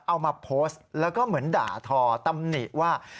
เอามาโพสต์แล้วก็เหมือนด่าทอตำหนิว่า